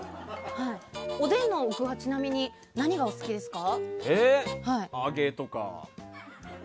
おでんの具はちなみに何がお好きですか？